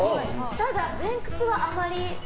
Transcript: ただ、前屈はあまり。